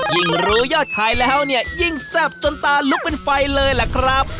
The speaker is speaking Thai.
ยิ่งรู้ยอดขายแล้วเนี่ยยิ่งแซ่บจนตาลุกเป็นไฟเลยล่ะครับ